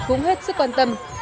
cũng hết sức khỏe